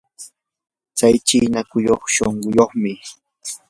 tsay chiina kuyay shunquyuqmi.